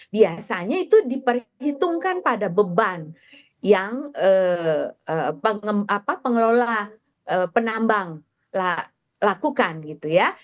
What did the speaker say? biasanya itu diperhitungkan pada beban yang pengelola penambang lakukan gitu ya